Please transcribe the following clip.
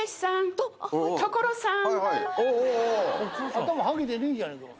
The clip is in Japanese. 頭ハゲてねえじゃねぇか。